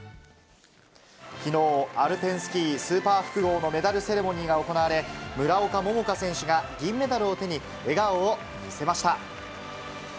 きのう、アルペンスキースーパー複合のメダルセレモニーが行われ、村岡桃佳選手が銀メダルを手に、笑顔を見せました。